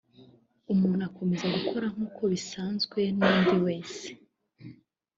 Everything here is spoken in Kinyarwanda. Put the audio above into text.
umuntu akomeza gukora nk’uko bisanzwe n’undi wese